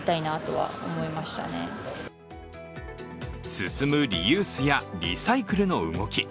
進むリユースやリサイクルの動き。